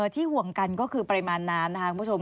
ที่ห่วงกันก็คือปริมาณน้ำนะคะคุณผู้ชม